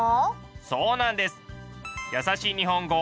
そうなんです。